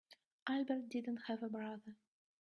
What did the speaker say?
Albert didn't have a brother.